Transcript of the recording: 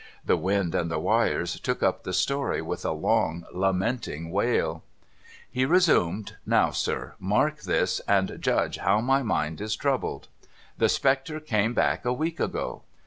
The wind and the wires took up the story with a long lamenting wail. He resugied. ' Now, sir, mark this, and judge how my mind is 464 MUGBY JUNCTION troubled. The spectre came back a week ago.